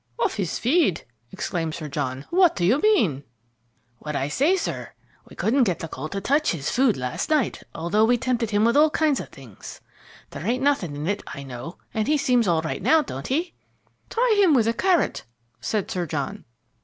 "Off his feed?, exclaimed Sir John. "What do you mean?" "What I say, sir. We couldn't get the colt to touch his food last night, although we tempted him with all kinds of things. There ain't nothing in it, I know, and he seems all right now, don't he?" "Try him with a carrot," said Sir John.